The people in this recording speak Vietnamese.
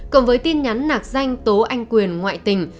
cộng với tin nhắn nạc danh tố anh quyền ngoại tình